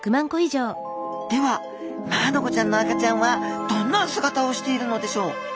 ではマアナゴちゃんの赤ちゃんはどんな姿をしているのでしょう？